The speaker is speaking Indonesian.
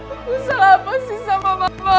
aku salah apa sih sama mama